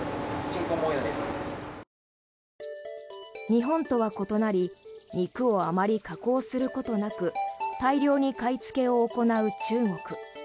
日本とは異なり肉をあまり加工することなく大量に買いつけを行う中国。